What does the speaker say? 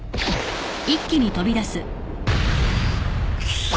貴様！！